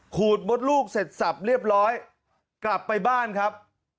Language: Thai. ขูดมดลูกเสร็จสับเรียบร้อยกลับไปบ้านครับ